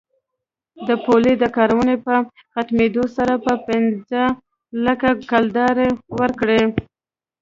د پولې د کارونو په ختمېدلو سره به پنځه لکه کلدارې ورکړي.